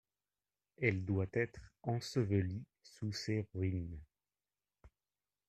«Elle doit être ensevelie sous ses ruines.